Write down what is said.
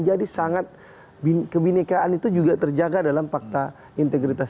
jadi sangat kebinikan itu juga terjaga dalam fakta integritas